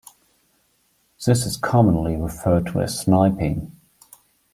This is commonly referred to as sniping.